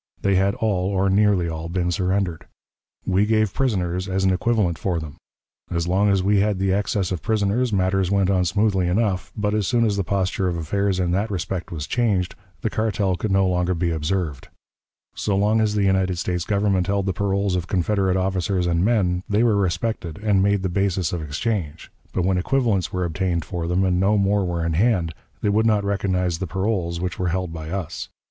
They had all, or nearly all, been surrendered. We gave prisoners as an equivalent for them. As long as we had the excess of prisoners, matters went on smoothly enough; but, as soon as the posture of affairs in that respect was changed, the cartel could no longer be observed. So long as the United States Government held the paroles of Confederate officers and men, they were respected and made the basis of exchange; but when equivalents were obtained for them, and no more were in hand, they would not recognize the paroles which were held by us.